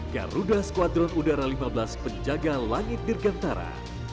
garuda skuadron udara lima belas penjaga langit dirgantara